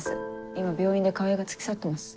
今病院で川合が付き添ってます。